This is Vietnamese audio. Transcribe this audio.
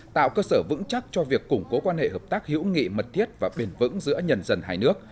tạo cơ sở vững chắc cho việc củng cố quan hệ hợp tác hữu nghị mật thiết và bền vững giữa nhân dân hai nước